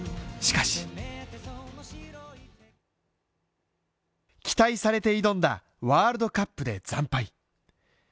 しかし、期待されて挑んだワールドカップで惨敗。